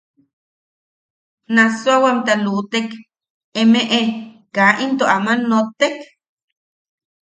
–¿Nassuawamta luʼutek emeʼe kaa into aman nottek?